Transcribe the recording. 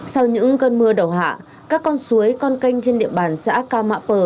sau những cơn mưa đầu hạ các con suối con canh trên địa bàn xã cao mạ pờ